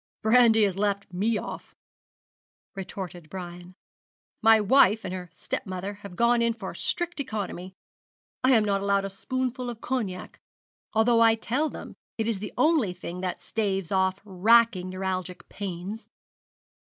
'Brandy has left me off,' retorted Brian. 'My wife and her step mother have gone in for strict economy. I am not allowed a spoonful of cognac, although I tell them it is the only thing that staves off racking neuralgic pains.